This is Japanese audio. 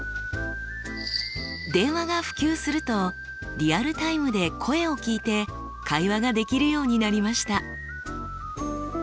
電話が普及するとリアルタイムで声を聞いて会話ができるようになりました。